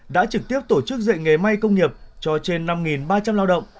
đã trực tiếp tổ chức dạy nghề may công nghiệp cho trên năm ba trăm linh lao động